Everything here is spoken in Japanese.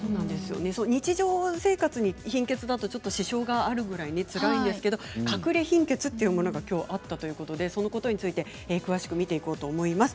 日常生活に貧血だと支障があるくらいつらいんですけれどかくれ貧血がどういうものかきょうあったということでそのことについて詳しく見ていこうと思います。